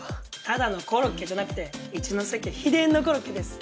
ただのコロッケじゃなくて一ノ瀬家秘伝のコロッケです。